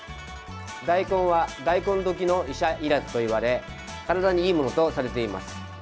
大根は大根どきの医者いらずと言われ体にいいものとされています。